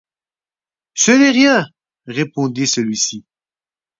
Ce n’est rien! répondit celui-ci.